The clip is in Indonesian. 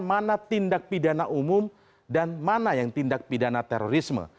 mana tindak pidana umum dan mana yang tindak pidana terorisme